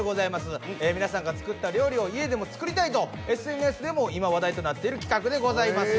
皆さんが作った料理を家でも作りたいとＳＮＳでも今話題となっている企画でございます。